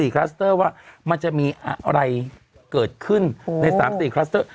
คลัสเตอร์ว่ามันจะมีอะไรเกิดขึ้นใน๓๔คลัสเตอร์